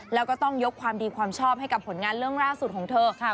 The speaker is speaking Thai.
แล้วก็ต้องยกความดีความชอบให้กับผลงานเรื่องล่าสุดของเธอค่ะ